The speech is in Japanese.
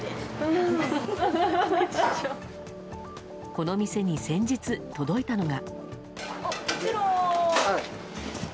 この店に先日届いたのが。